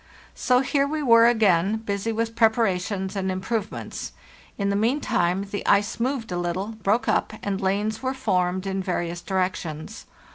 So here we were again, busy with preparations and improvements. In the meantime the ice moved a little, broke up, and lanes were formed in various directions.